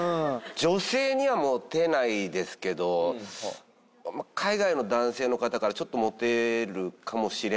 女性にはモテないですけど海外の男性の方からちょっとモテるかもしれないです。